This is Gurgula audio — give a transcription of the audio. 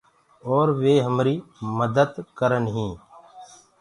اور وي همري مدد ڪرن هينٚ۔